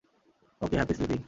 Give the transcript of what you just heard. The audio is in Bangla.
Okay, happy sleeping!